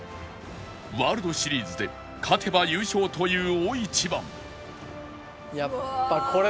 ワールドシリーズで勝てば優勝という大一番